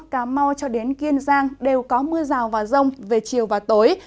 cà mau cho đến kiên giang đều có mưa rào và rông về chiều và tối